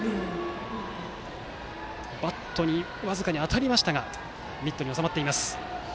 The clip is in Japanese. バットに僅かに当たりましたがミットに収まっています。